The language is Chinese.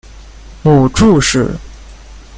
母祝氏。